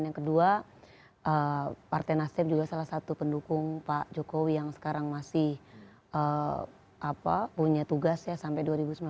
yang kedua partai nasdem juga salah satu pendukung pak jokowi yang sekarang masih punya tugas ya sampai dua ribu sembilan belas